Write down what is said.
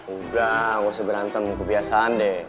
udah gak usah berantem kebiasaan deh